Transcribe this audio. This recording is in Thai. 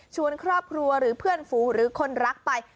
ครอบครัวหรือเพื่อนฝูหรือคนรักไป